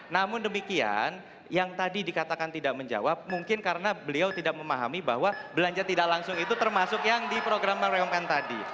namun demikian yang tadi dikatakan tidak menjawab mungkin karena beliau tidak memahami bahwa belanja tidak langsung itu termasuk yang di program mario pen tadi